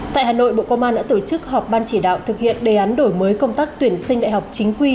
tại hà nội bộ công an đã tổ chức họp ban chỉ đạo thực hiện đề án đổi mới công tác tuyển sinh đại học chính quy